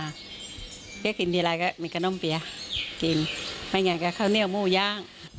อ่าเขากินทีไรก็มีขนมเปี๊ยะกินไม่งั้นก็ข้าวเนี่ยมู้ย้าง